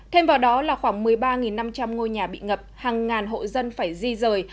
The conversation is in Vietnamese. thêm vào đó là khoảng một mươi ba năm trăm linh ngôi nhà bị ngập hàng ngàn hộ dân phải di rời